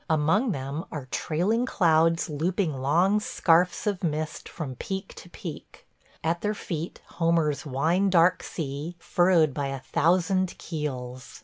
Among them are trailing clouds looping long scarfs of mist from peak to peak; at their feet Homer's "wine dark sea," furrowed by a thousand keels